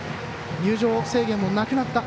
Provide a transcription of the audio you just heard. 入場制限もなくなった。